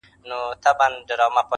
کلي مو وسوځیږي!!